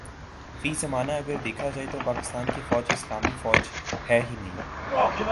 فی زمانہ اگر دیکھا جائے تو پاکستان کی فوج اسلامی فوج ہے ہی نہیں